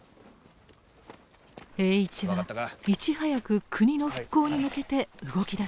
栄一はいち早く国の復興に向けて動き出すのです。